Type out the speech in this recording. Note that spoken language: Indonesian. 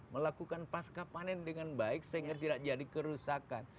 melakukan pasca panen dengan baik sehingga tidak jadi kerusakan